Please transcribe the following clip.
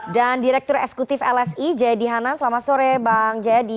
dan direktur esekutif lsi jayadi hanan selamat sore bang jayadi